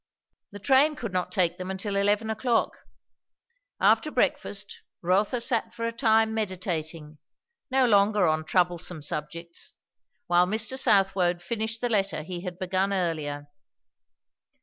The train could not take them until eleven o'clock. After breakfast Rotha sat for a time meditating, no longer on troublesome subjects, while Mr. Southwode finished the letter he had begun earlier.